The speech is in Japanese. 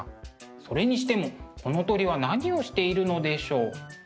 それにしてもこの鳥は何をしているのでしょう。